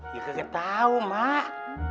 ya saya tau mak